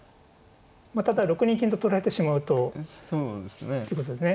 ただ６二金と取られてしまうとってことですね。